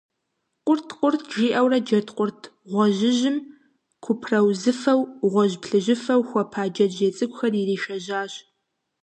Къурт–къурт, жиӀэурэ джэдкъурт гъуэжьыжьым купраузыфэу, гъуэжь–плъыжьыфэу хуэпа джэджьей цӀыкӀухэр иришэжьащ.